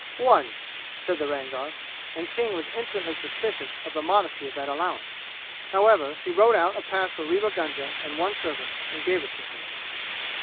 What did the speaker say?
"One," said the Rangar, and King was instantly suspicious of the modesty of that allowance; however he wrote out a pass for Rewa Gunga and one servant and gave it to him.